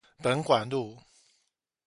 本館路